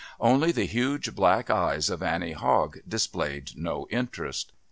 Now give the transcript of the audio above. Only the huge black eyes of Annie Hogg displayed no interest.